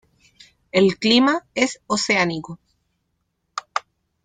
El clima es oceánico.